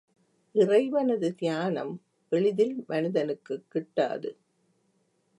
இறைவனது தியானம் எளிதில் மனிதனுக்குக் கிட்டாது.